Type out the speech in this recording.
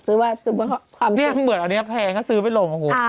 คือว่าความสุขเนี่ยเหมือนอันนี้แพงก็ซื้อไปลงกับลูก